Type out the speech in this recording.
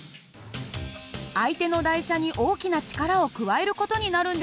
相手の台車に大きな力を加える事になるんでしょうか？